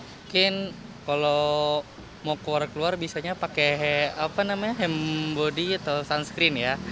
mungkin kalau mau keluar keluar bisa pakai hem body atau sunscreen ya